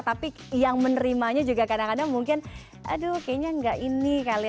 tapi yang menerimanya juga kadang kadang mungkin aduh kayaknya nggak ini kali ya